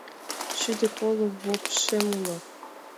Шӱдӧ коло вопшем уло